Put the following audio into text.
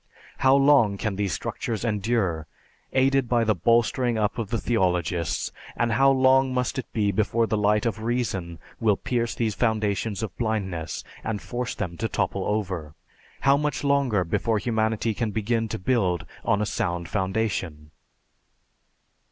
How long can these structures endure, aided by the bolstering up of the theologists, and how long must it be before the light of reason will pierce these foundations of blindness and force them to topple over? How much longer before humanity can begin to build on a sound foundation?